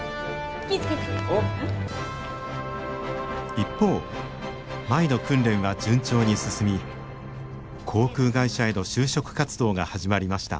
一方舞の訓練は順調に進み航空会社への就職活動が始まりました。